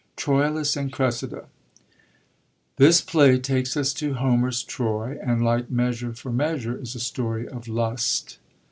Troilus and Cressida. — This play takes us to Homer's Troy, and* like Measure for Measure, is a story of lust.